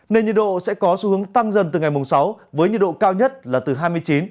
nên nhiệt độ sẽ có xu hướng tăng dần từ ngày mùng sáu với nhiệt độ cao nhất là từ hai mươi chín ba mươi một độ